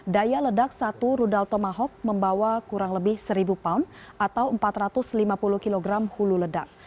daya ledak satu rudal tomahawk membawa kurang lebih seribu pound atau empat ratus lima puluh kg hulu ledak